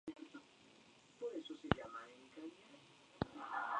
Ha realizado actuaciones en España, Suiza, Estados Unidos, entre otros países.